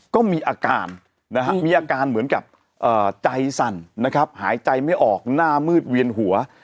ก็มีอาการนะฮะมีอาการมีอาการเหมือนกับใจสั่นนะครับหายใจไม่ออกหน้ามืดเวียนหัว